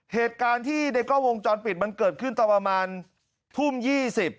เหตุการณ์ที่ในกล้องวงจรปิดมันเกิดขึ้นตอนประมาณทุ่มยี่สิบ